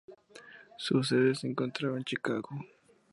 Su sede se encontraba en Chicago.